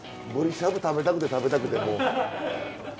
ブリしゃぶ食べたくて食べたくてもう。